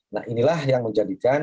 nah inilah yang menjadikan